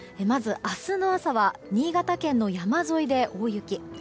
まず明日の朝は新潟県の山沿いで大雪。